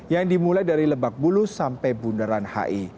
yang dimulai dari lebak bulus sampai bundaran hi